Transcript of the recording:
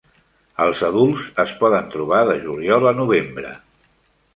Els adults es poden trobar de juliol a novembre.